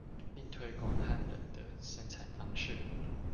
並推廣漢人的生產方式